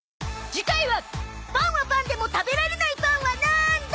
パンはパンでも食べられないパンはなんだ？